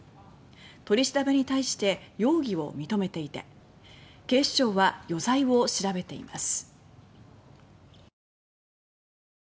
取り調べに対して容疑を認めていて警視庁は余罪を調べています。